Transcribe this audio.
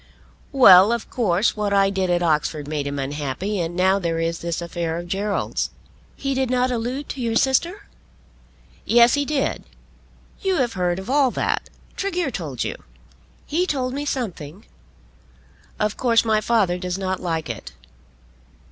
"Well; of course what I did at Oxford made him unhappy; and now there is this affair of Gerald's." "He did not allude to your sister?" "Yes he did. You have heard of all that. Tregear told you." "He told me something." "Of course my father does not like it."